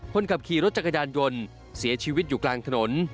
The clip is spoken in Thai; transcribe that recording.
คนขับขี่รถจักรยานยนต์เสียชีวิตอยู่กลางถนน